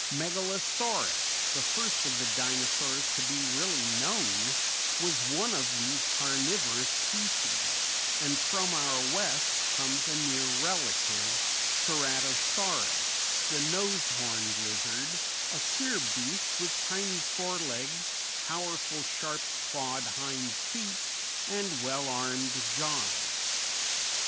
Megalosaurus, the first of the Dinosaurs to be really known, was one of these carnivorous species, and from our West comes a near relative, Ceratosaurus, the nose horned lizard, a queer beast with tiny fore legs, powerful, sharp clawed hind feet, and well armed jaws.